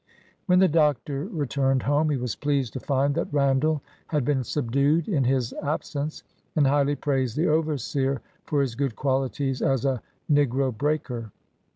When the Doctor returned home, he was pleased to find that Eanclall had been subdued in his absence, and highly praised the overseer for his good qualities as a negro breaker.